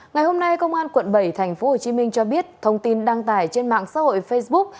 ngày hôm nay công an quận bảy tp hcm cho biết thông tin đăng tải trên mạng xã hội facebook